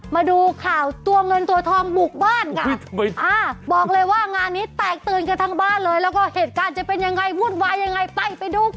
มาดูข่าวตัวเงินตัวทองบุกบ้านค่ะบอกเลยว่างานนี้แตกตื่นกันทั้งบ้านเลยแล้วก็เหตุการณ์จะเป็นยังไงวุ่นวายยังไงไปไปดูค่ะ